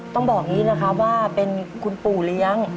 ต้องบอกอย่างนี้นะครับว่าเป็นคุณปู่เลี้ยง